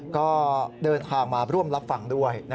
ก็เดินทางมาร่วมรับฟังด้วย